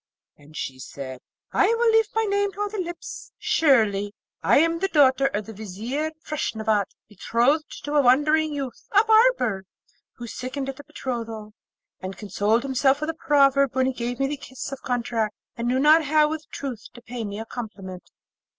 And she said, 'I will leave my name to other lips; surely I am the daughter of the Vizier Feshnavat, betrothed to a wandering youth, a barber, who sickened at the betrothal, and consoled himself with a proverb when he gave me the kiss of contract, and knew not how with truth to pay me a compliment.'